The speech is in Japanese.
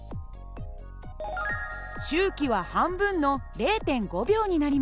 周期は半分の０．５秒になります。